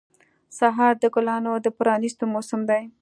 سهار د ګلانو د پرانیستو موسم دی.